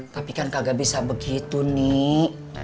tapi kan kagak bisa begitu nih